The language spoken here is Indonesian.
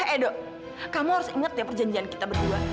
edo kamu harus ingat ya perjanjian kita berdua